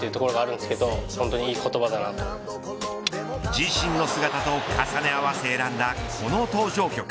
自身の姿と重ね合わせ選んだその登場曲。